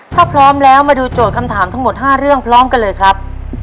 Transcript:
ถ้าพร้อมแล้วมาดูโจทย์คำถามทั้งหมด๕เรื่องพร้อมกันเลยครับ